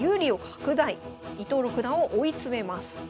伊藤六段を追い詰めます。